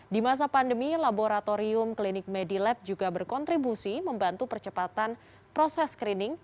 di masa pandemi laboratorium klinik medilab juga berkontribusi membantu percepatan proses screening